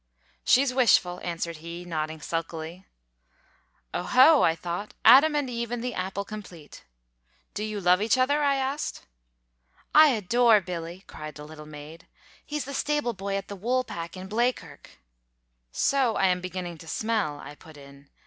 "She's wishful," answered he, nodding sulkily. "Oho!" I thought; "Adam and Eve and the apple, complete. Do you love each other?" I asked. "I adore Billy," cried the little maid "he's the stable boy at the 'Woolpack' in Blea kirk " "So I am beginning to smell," I put in.